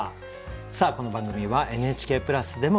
さあこの番組はＮＨＫプラスでもご覧頂けます。